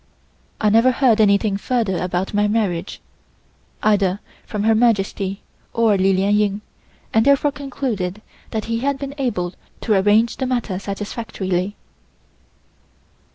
I never heard anything further about my marriage, either from Her Majesty or Li Lien Ying, and therefore concluded that he had been able to arrange the matter satisfactorily.